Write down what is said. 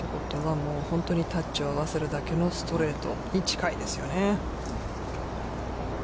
本当にタッチを合わせるだけのストレートに近いですよね。